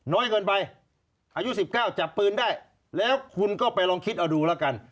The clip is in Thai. น้อยเกินไปอายุ๑๙จับปืนได้แล้วคุณก็ไปลองคิดเอาดูแล้วกัน